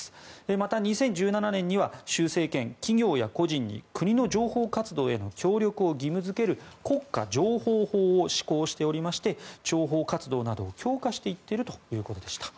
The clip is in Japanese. また２０１７年には習政権、企業や個人に国の情報活動への協力を義務付ける国家情報法を施行しておりまして諜報活動などを強化していっているということでした。